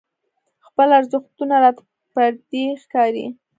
خپل ارزښتونه راته پردي ښکاري.